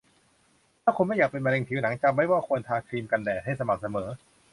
ถ้าคุณไม่อยากเป็นมะเร็งผิวหนัง จำไว้ว่าควรทาครีมกันแดดให้สม่ำเสมอ